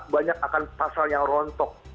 banyak akan pasal yang rontok